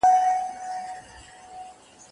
چي په ښار کي نیژدې لیري قصابان وه